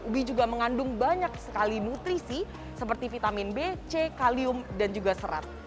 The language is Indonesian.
ubi juga mengandung banyak sekali nutrisi seperti vitamin b c kalium dan juga serat